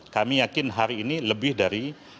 kami yakin hari ini lebih dari